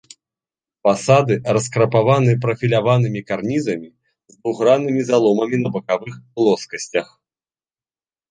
Фасады раскрапаваны прафіляванымі карнізамі з двухграннымі заломамі на бакавых плоскасцях.